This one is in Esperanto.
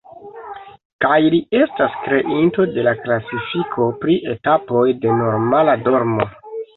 Kaj li estas kreinto de la klasifiko pri etapoj de normala dormo.